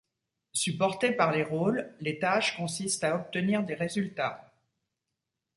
Supportées par les rôles, les tâches consistent à obtenir des résultats.